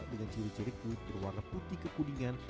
dengan ciri ciri kulit berwarna putih kekuningan